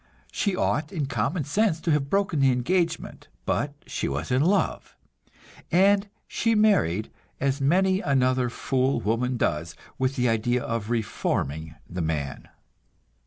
She ought in common sense to have broken the engagement; but she was in love, and she married, as many another fool woman does, with the idea of "reforming" the man.